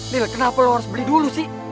lil kenapa lu harus beli dulu sih